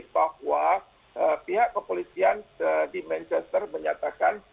bahwa pihak kepolisian di manchester menyatakan